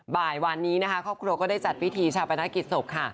บ่ายวันนี้นะคะครอบครัวก็ได้จัดพิธีชาปนกิจศพค่ะ